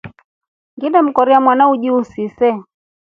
Ngile mkorya mwana uji usise.